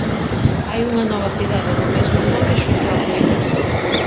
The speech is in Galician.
Hai unha nova cidade do mesmo nome xunto ás ruínas.